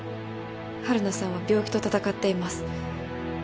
晴汝さんは病気と闘っています。